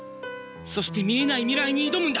そして見えない未来に挑むんだ！